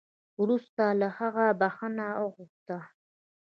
وروسته له هغه بخښنه وغوښته